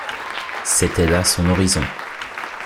C’était là son horizon.